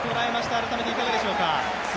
改めていかがでしょう？